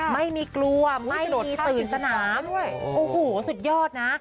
ไม่มีกลัวไม่มีตื่นสนามโอ้โหสุดยอดนะ